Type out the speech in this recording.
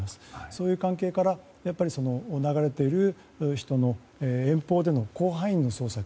そういう環境から流れている人の遠方での広範囲の捜索